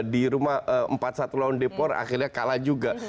di rumah empat satu lawan depor akhirnya kalah juga